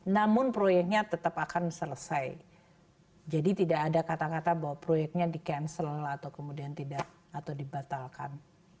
namun proyeknya tetap akan selesai jadi tidak ada kata kata bahwa proyeknya di cancel atau kemudian tidak atau dibatalkan